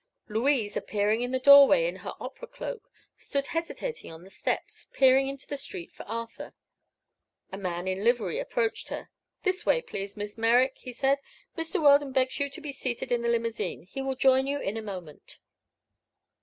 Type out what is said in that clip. Louise, appearing in the doorway in her opera cloak, stood hesitating on the steps, peering into the street for Arthur. A man in livery approached her. "This way, please, Miss Merrick," he said. "Mr. Weldon begs you to be seated in the limousine. He will join you in a moment."